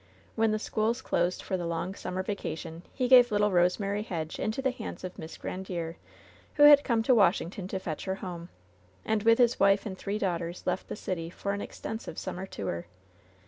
When the schools closed for the long summer vaca tion he gave little Eosemary Hedge into the hands of Miss Grandiere, who had come to Washington to fetch her home, and with his wife and three daughters left the city for an extensive summer tour.